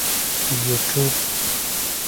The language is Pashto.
یوټیوب